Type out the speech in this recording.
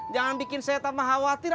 jangan bikin saya tambah khawatir